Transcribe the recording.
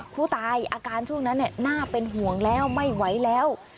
ผู้ตายอาการช่วงนั้นน่าเป็นห่วงแล้วไม่ไหวแล้ว